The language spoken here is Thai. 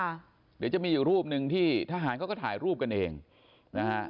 เดี๋ยวจะมีอยู่รูปหนึ่งที่ทหารเขาก็ถ่ายรูปกันเองนะฮะ